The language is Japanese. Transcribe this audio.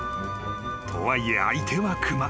とはいえ相手は熊］